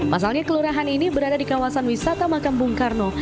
masalahnya kelurahan ini berada di kawasan wisata makambung karno